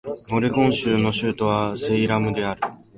オレゴン州の州都はセイラムである